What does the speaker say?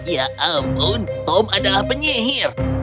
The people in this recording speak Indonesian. ya ampun tom adalah penyihir